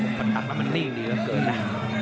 มันตัดมามันนิ่งดีเยอะเกินนะ